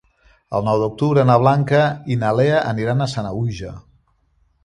El nou d'octubre na Blanca i na Lea aniran a Sanaüja.